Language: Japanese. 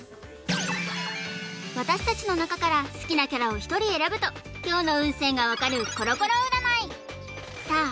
私たちの中から好きなキャラを１人選ぶと今日の運勢が分かるコロコロ占いさあ